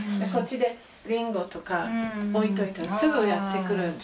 こっちでリンゴとか置いといたらすぐやってくる。